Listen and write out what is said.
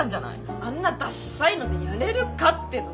あんなだっさいのでやれるかっての！